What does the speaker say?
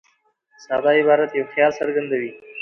ساده عبارت یو خیال څرګندوي.